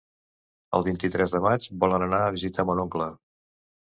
El vint-i-tres de maig volen anar a visitar mon oncle.